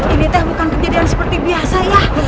ini teh bukan kejadian seperti biasa ya